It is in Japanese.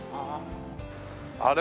あれ？